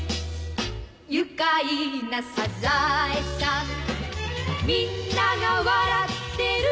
「愉快なサザエさん」「みんなが笑ってる」